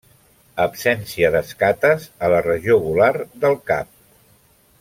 Absència d'escates a la regió gular del cap.